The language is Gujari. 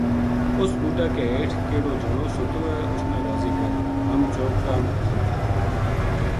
اس بوٹا کے ہیٹھ کِہڑو جنو ستو ہے اس نا راضی کر ! ہم چوگ تاں کھاں گا‘ ‘